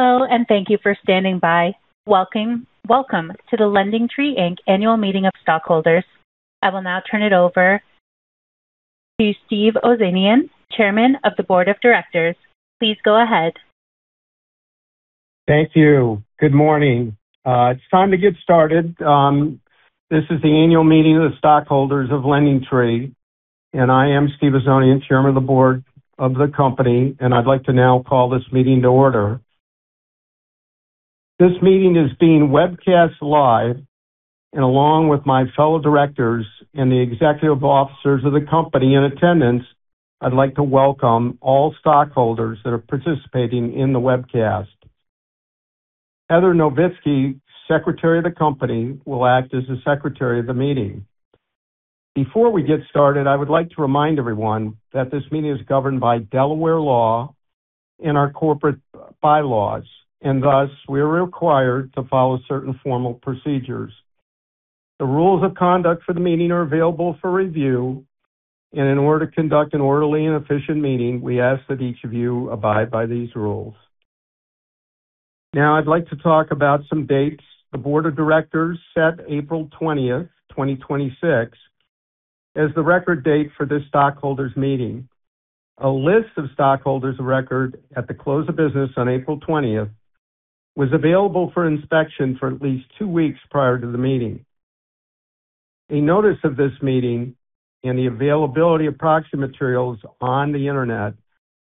Hello, thank you for standing by. Welcome to the LendingTree, Inc. Annual Meeting of Stockholders. I will now turn it over to Steven Ozanian, Chairman of the Board of Directors. Please go ahead. Thank you. Good morning. It's time to get started. This is the annual meeting of the stockholders of LendingTree, I am Steven Ozanian, Chairman of the Board of the Company. I'd like to now call this meeting to order. This meeting is being webcast live, along with my fellow directors and the executive officers of the Company in attendance, I'd like to welcome all stockholders that are participating in the webcast. Heather Novitsky, Secretary of the Company, will act as the Secretary of the Meeting. Before we get started, I would like to remind everyone that this meeting is governed by Delaware law and our corporate bylaws. Thus, we are required to follow certain formal procedures. The rules of conduct for the meeting are available for review. In order to conduct an orderly and efficient meeting, we ask that each of you abide by these rules. I'd like to talk about some dates. The Board of Directors set April 20th, 2026, as the record date for this stockholders meeting. A list of stockholders of record at the close of business on April 20th was available for inspection for at least two weeks prior to the meeting. A notice of this meeting and the availability of proxy materials on the internet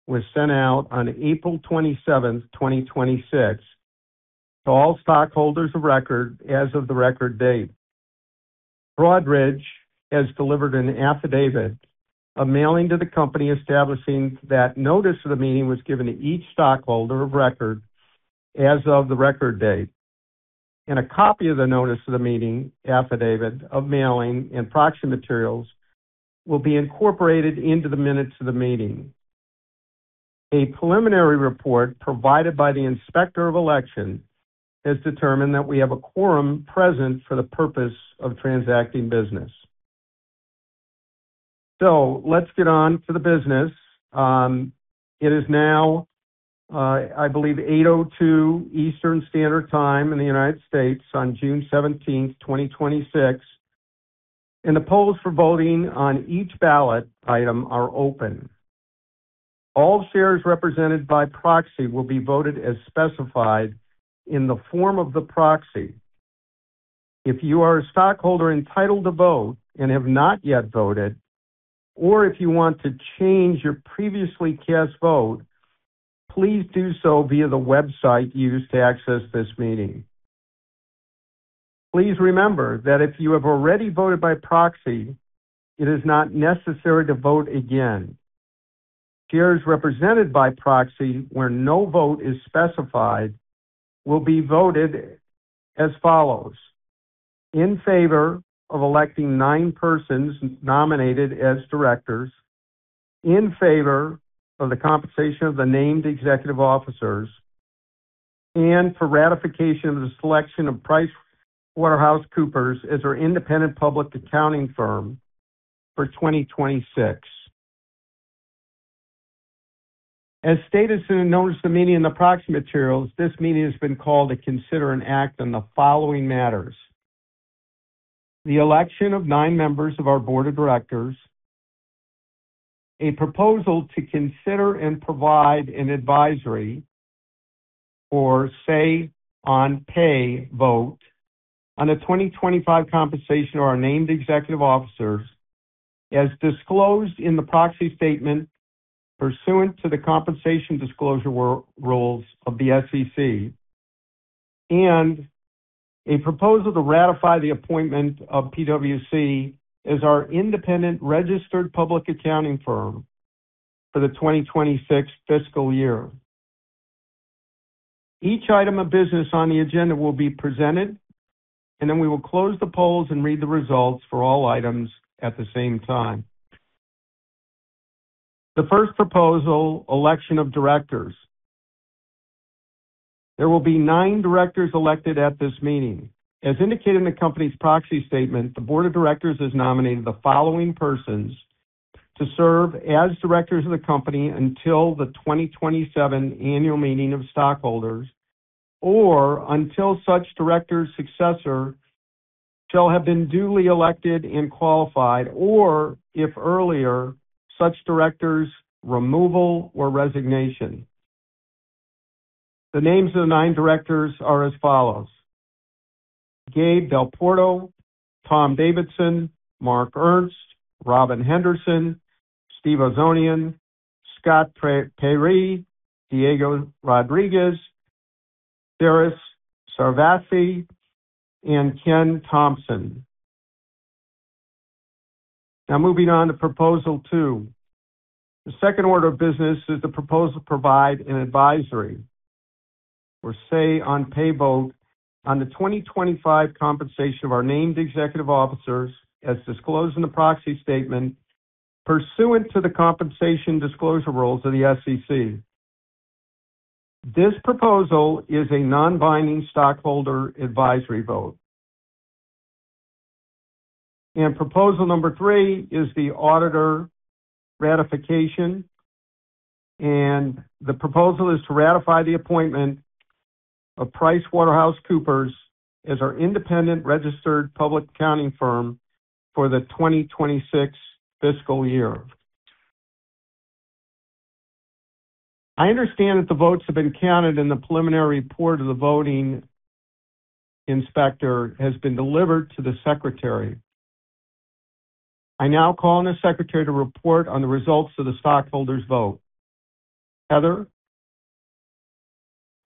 was sent out on April 27th, 2026, to all stockholders of record as of the record date. Broadridge has delivered an affidavit, a mailing to the company establishing that notice of the meeting was given to each stockholder of record as of the record date. A copy of the notice of the meeting affidavit of mailing and proxy materials will be incorporated into the minutes of the meeting. A preliminary report provided by the Inspector of Election has determined that we have a quorum present for the purpose of transacting business. Let's get on to the business. It is now, I believe, 8:02 A.M. Eastern Standard Time in the United States on June 17th, 2026, the polls for voting on each ballot item are open. All shares represented by proxy will be voted as specified in the form of the proxy. If you are a stockholder entitled to vote and have not yet voted, or if you want to change your previously cast vote, please do so via the website used to access this meeting. Please remember that if you have already voted by proxy, it is not necessary to vote again. Shares represented by proxy where no vote is specified will be voted as follows: In favor of electing nine persons nominated as directors, in favor of the compensation of the named executive officers, and for ratification of the selection of PricewaterhouseCoopers as our independent public accounting firm for 2026. As stated in the notice of the meeting and the proxy materials, this meeting has been called to consider and act on the following matters: The election of nine members of our board of directors, a proposal to consider and provide an advisory or Say-on-Pay vote on the 2025 compensation of our named executive officers as disclosed in the proxy statement pursuant to the compensation disclosure rules of the SEC, and a proposal to ratify the appointment of PwC as our independent registered public accounting firm for the 2026 fiscal year. Each item of business on the agenda will be presented, and then we will close the polls and read the results for all items at the same time. The first proposal, election of directors. There will be nine directors elected at this meeting. As indicated in the company's proxy statement, the board of directors has nominated the following persons to serve as directors of the company until the 2027 Annual Meeting of Stockholders, or until such director's successor shall have been duly elected and qualified, or, if earlier, such director's removal or resignation. The names of the nine directors are as follows: Gabe Dalporto, Tom Davidson, Mark Ernst, Robin Henderson, Steve Ozanian, Scott Peyree, Diego Rodriguez, Saras Sarasvathy, and Ken Thompson. Now moving on to proposal two. The second order of business is the proposal to provide an advisory or Say-on-Pay vote on the 2025 compensation of our named executive officers as disclosed in the proxy statement pursuant to the compensation disclosure rules of the SEC. This proposal is a non-binding stockholder advisory vote. Proposal number three is the auditor ratification. The proposal is to ratify the appointment of PricewaterhouseCoopers as our independent registered public accounting firm for the 2026 fiscal year. I understand that the votes have been counted, and the preliminary report of the voting inspector has been delivered to the secretary. I now call on the secretary to report on the results of the stockholders' vote. Heather?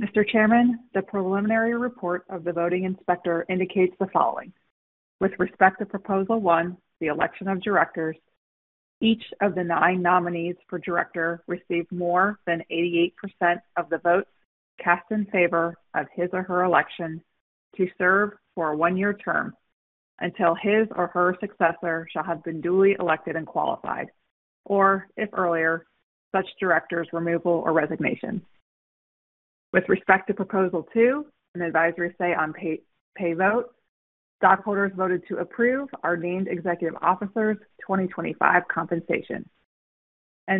Mr. Chairman, the preliminary report of the voting inspector indicates the following. With respect to proposal one, the election of directors, each of the nine nominees for director received more than 88% of the votes cast in favor of his or her election to serve for a one-year term until his or her successor shall have been duly elected and qualified, or, if earlier, such director's removal or resignation. With respect to proposal two, an advisory Say-on-Pay vote, stockholders voted to approve our named executive officers' 2025 compensation.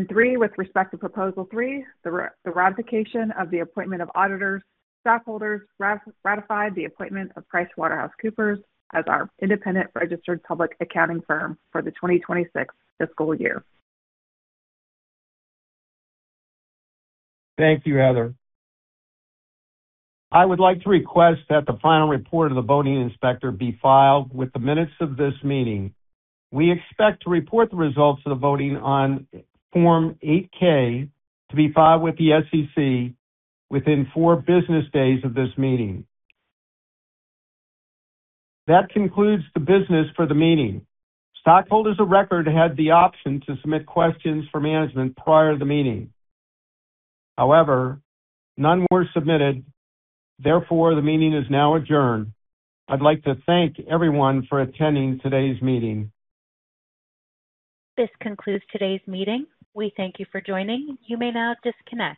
Three, with respect to proposal three, the ratification of the appointment of auditors, stockholders ratified the appointment of PricewaterhouseCoopers as our independent registered public accounting firm for the 2026 fiscal year. Thank you, Heather. I would like to request that the final report of the voting inspector be filed with the minutes of this meeting. We expect to report the results of the voting on Form 8-K to be filed with the SEC within four business days of this meeting. That concludes the business for the meeting. Stockholders of record had the option to submit questions for management prior to the meeting. However, none were submitted. Therefore, the meeting is now adjourned. I'd like to thank everyone for attending today's meeting. This concludes today's meeting. We thank you for joining. You may now disconnect.